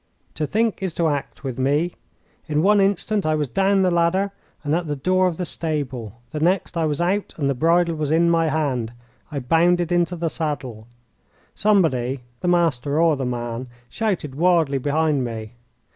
To think is to act with me. In one instant I was down the ladder and at the door of the stable. The next I was out and the bridle was in my hand. I bounded into the saddle. Somebody, the master or the man, shouted wildly behind me.